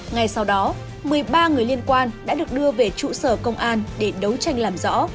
ngay sau đó một mươi ba người liên quan đã được đưa về trụ sở công an để đấu tranh làm rõ